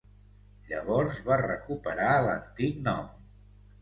Llavors va recuperar l'antic nom.